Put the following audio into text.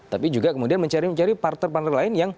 tapi juga kemudian mencari parter parter lain yang